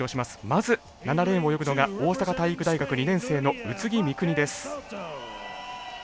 まず７レーンを泳ぐのが大阪体育大学２年生の宇津木美都です。